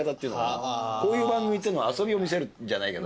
こういう番組ってのは遊びを見せるじゃないけど。